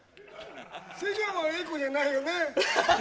瀬川瑛子じゃないよね？